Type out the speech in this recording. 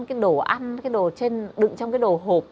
cái đồ ăn cái đồ đựng trong cái đồ hộp